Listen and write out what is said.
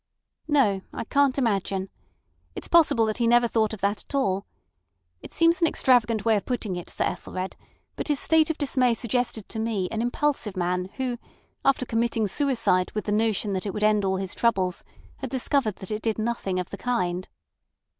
... "No, I can't imagine. It's possible that he never thought of that at all. It sounds an extravagant way of putting it, Sir Ethelred, but his state of dismay suggested to me an impulsive man who, after committing suicide with the notion that it would end all his troubles, had discovered that it did nothing of the kind."